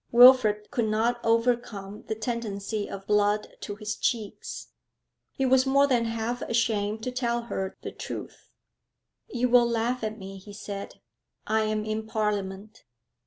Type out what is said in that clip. Wilfrid could not overcome the tendency of blood to his cheeks. He was more than half ashamed to tell her the truth. 'You will laugh at me,' he said. 'I am in Parliament.'